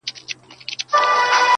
• د بډای په ختم کي ملا نه ستړی کېږي -